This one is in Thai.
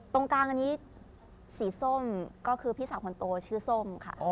ตรงกลางอันนี้สีส้มก็คือพี่สาวคนโตชื่อส้มค่ะ